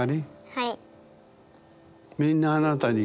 はい。